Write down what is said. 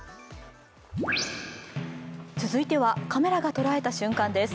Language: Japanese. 続いてはカメラが捉えた瞬間です。